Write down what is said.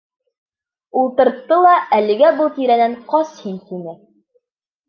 Ултыртты ла, әлегә был тирәнән ҡас һин, тине.